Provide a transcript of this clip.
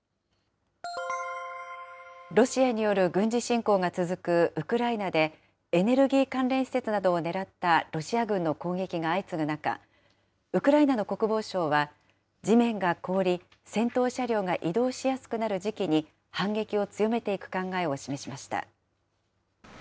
ロシアによる軍事侵攻が続くウクライナで、エネルギー関連施設などを狙ったロシア軍の攻撃が相次ぐ中、ウクライナの国防相は、地面が凍り、戦闘車両が移動しやすくなる時期に反撃を強めていく考えを示しました。